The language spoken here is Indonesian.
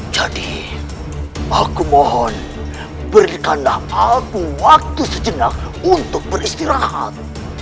jadi aku mohon berikanlah aku waktu sejenak untuk beristirahat